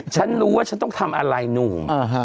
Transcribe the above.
ฉันรู้ว่าฉันต้องทำอะไรหนุ่ม